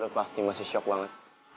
orang banyak banget